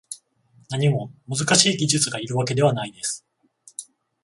何も難しい技術がいるわけではないです